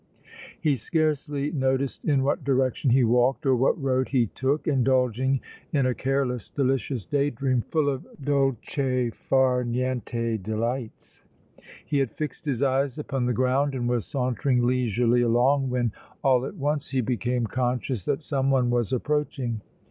He scarcely noticed in what direction he walked or what road he took, indulging in a careless, delicious daydream full of dolce far niente delights. He had fixed his eyes upon the ground and was sauntering leisurely along when, all at once, he became conscious that some one was approaching.